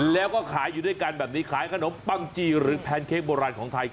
แล้วก็ขายอยู่ด้วยกันแบบนี้ขายขนมปังจีหรือแพนเค้กโบราณของไทย